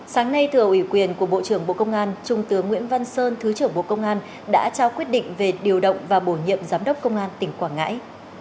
sáng nay thừa ủy quyền của bộ trưởng bộ công an trung tướng nguyễn văn sơn thứ trưởng bộ công an đã trao quyết định về điều động và bổ nhiệm giám đốc công an tỉnh quảng ngãi